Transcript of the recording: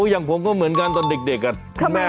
อย่างผมก็เหมือนกันตอนเด็กคุณแม่